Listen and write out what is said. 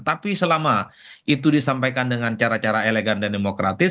tapi selama itu disampaikan dengan cara cara elegan dan demokratis